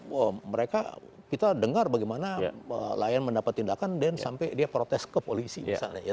wah mereka kita dengar bagaimana lion mendapat tindakan dan sampai dia protes ke polisi misalnya ya